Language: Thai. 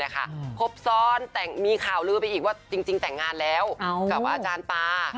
ครบซ้อนแต่มีข่าวลื้อไปอีกว่าจริงแต่งงานแล้วกับอาจารย์ปา